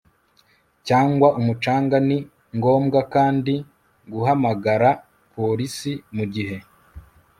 cyangwa umucanga. ni ngombwa kandi guhamagara porisi mu gihe